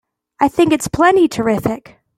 I think it's plenty terrific!